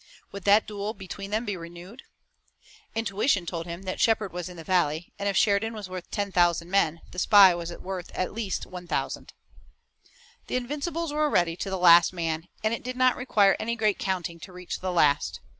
Would that duel between them be renewed? Intuition told him that Shepard was in the valley, and if Sheridan was worth ten thousand men the spy was worth at least a thousand. The Invincibles were ready to the last man, and it did not require any great counting to reach the last.